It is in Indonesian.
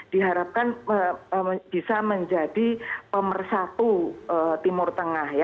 diharapkan bisa menjadi pemersatu timur tengah